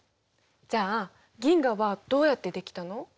じゃあ銀河はどうやって出来たの？